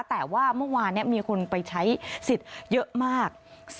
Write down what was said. แต่ว่าเมื่อวานมีคนไปใช้สิทธิ์เยอะมาก